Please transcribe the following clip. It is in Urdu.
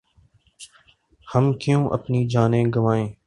ہم کیوں اپنی جانیں گنوائیں ۔